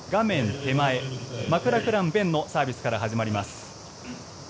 手前、マクラクラン勉のサービスから始まります。